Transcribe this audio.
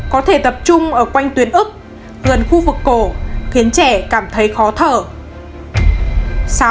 có thể tập trung ở quanh tuyến ức gần khu vực cổ khiến trẻ cảm thấy khó thở